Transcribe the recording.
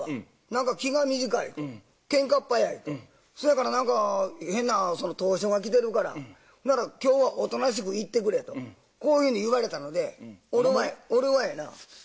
なんか気が短いと、けんかっ早い、そやからなんか、変なその投書が来てるから、なら、きょうはおとなしくいってくれと、こういうふうに言われたので、俺はやな。